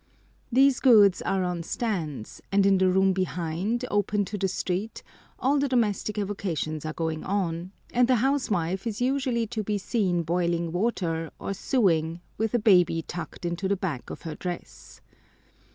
These goods are on stands, and in the room behind, open to the street, all the domestic avocations are going on, and the housewife is usually to be seen boiling water or sewing with a baby tucked into the back of her dress.